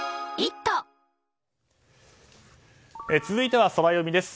続いては、ソラよみです。